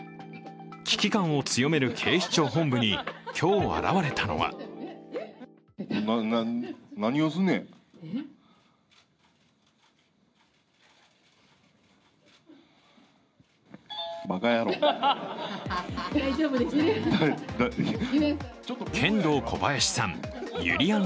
危機感を強める警視庁本部に今日、現れたのはケンドーコバヤシさんゆりやん